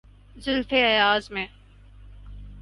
زلف ایاز میں۔